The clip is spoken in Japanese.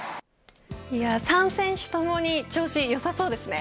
３選手ともに調子良さそうですね。